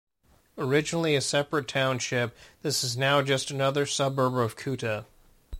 Originally a separate township, this is now just another suburb of Kuta.